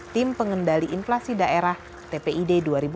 tim pengendali inflasi daerah tpid dua ribu dua puluh